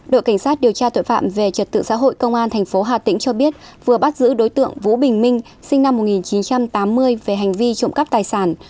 đội cảnh sát điều tra tội phạm về trật tự xã hội công an tp hà tĩnh cho biết vừa bắt giữ đối tượng vũ bình minh sinh năm một nghìn chín trăm tám mươi về hành vi trộm cắp tài sản